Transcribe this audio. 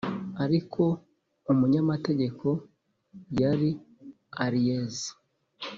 ariko umunyamategeko yari aries